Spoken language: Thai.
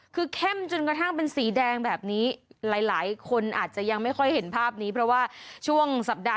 คือเข้มจนกระทั่งเป็นสีแดงแบบนี้หลายคนอาจจะยังไม่ค่อยเห็นภาพนี้เพราะว่าช่วงสัปดาห์